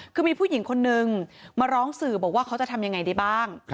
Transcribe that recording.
คือมีผู้หญิงคนนึงมาร้องสื่อบอกว่าเขาจะทำยังไงได้บ้าง